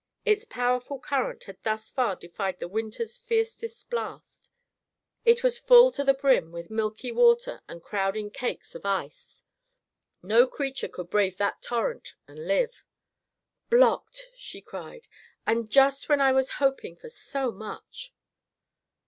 Its powerful current had thus far defied the winter's fiercest blasts. It was full to the brim with milky water and crowding cakes of ice. No creature could brave that torrent, and live. "Blocked!" she cried. "And just when I was hoping for so much!"